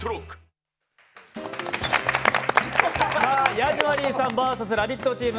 ヤジマリーさんＶＳ「ラヴィット！」チーム。